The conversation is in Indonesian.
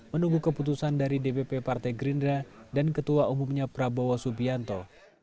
menunggu keputusan dari dpp partai gerindra dan ketua umumnya prabowo subianto